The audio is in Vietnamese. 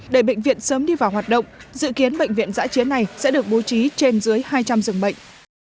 để bệnh viện sớm đi vào hoạt động dự kiến bệnh viện giãi chiến này sẽ được bố trí trên dưới hai trăm linh rừng bệnh